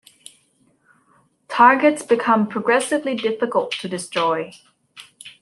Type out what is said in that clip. Targets become progressively difficult to destroy.